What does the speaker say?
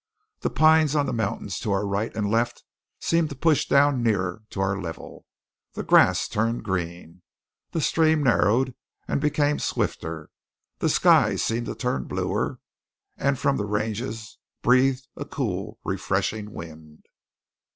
The pines on the mountains to our right and left seemed to push down nearer to our level; the grass turned green; the stream narrowed and became swifter; the sky seemed to turn bluer; and from the ranges breathed a cool, refreshing wind.